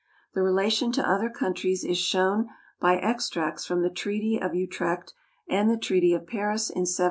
The relation to other countries is shown by extracts from the treaty of Utrecht and the treaty of Paris in 1763.